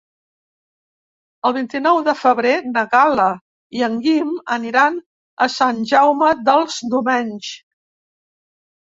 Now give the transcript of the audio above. El vint-i-nou de febrer na Gal·la i en Guim aniran a Sant Jaume dels Domenys.